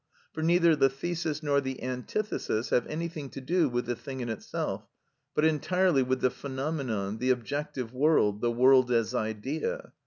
For neither the thesis nor the antithesis have anything to do with the thing in itself, but entirely with the phenomenon, the objective world, the world as idea.